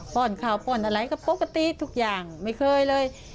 ป้อนข่าวป้อนอะไรก็ปกติทุกอย่างไม่เคยเลย